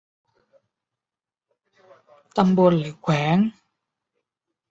ตำบลหรือแขวง